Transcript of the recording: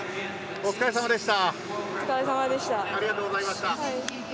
お疲れさまでした。